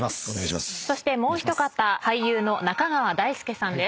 そしてもう一方俳優の中川大輔さんです。